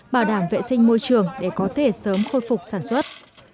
bảo đảm vệ sinh môi trường để có thể sớm khôi phục sản xuất